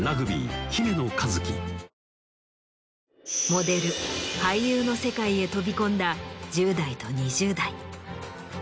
モデル俳優の世界へ飛び込んだ１０代と２０代。